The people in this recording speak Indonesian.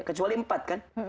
kecuali empat kan